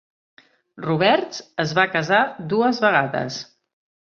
Roberts es va casar dues vegades.